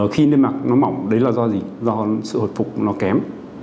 khi nư mạc nó mỏng đấy là do gì do sự hột phục nó kém